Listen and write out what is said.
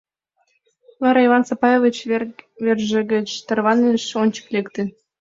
Вара Иван Сапаевич верже гыч тарваныш, ончык лекте.